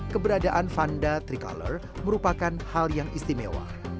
keberadaan fanda tricolor merupakan hal yang istimewa